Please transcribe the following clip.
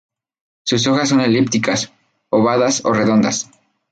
Sus hojas son elípticas, ovadas o redondas.